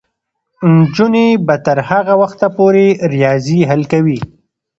نجونې به تر هغه وخته پورې ریاضي حل کوي.